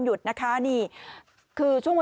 สุดยอดดีแล้วล่ะ